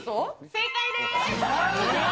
正解です。